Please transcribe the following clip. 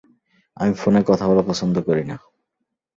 আমি ফোনে কথা বলা পছন্দ করি না।